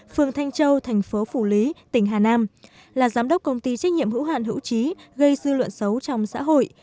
phường thanh châu thành phố phủ lý tỉnh hà nam là giám đốc công ty trách nhiệm hữu hạn hữu trí gây dư luận xấu trong xã hội